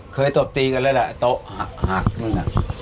เคยตบตีกันแล้วแหละเถอะโต๊ะหักมึงอะ